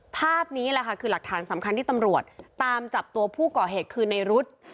ภาพนี้แหละค่ะคือหลักฐานสำคัญที่ตำรวจตามจับตัวผู้ก่อเหตุคือในรุธ